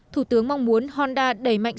thủ tướng mong muốn honda đẩy mạnh